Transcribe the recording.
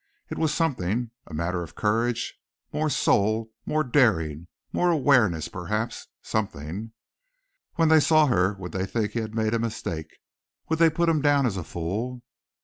It was something a matter of courage more soul, more daring, more awareness, perhaps something. When they saw her would they think he had made a mistake, would they put him down as a fool?